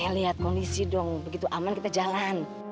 lihat kondisi dong begitu aman kita jalan